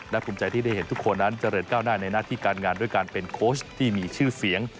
และภูมิใจที่ได้เห็นทุกคนนั้นเจริญก้าวหน้าในหน้าที่การงานด้วยการเป็นโค้ชที่มีชื่อเสียง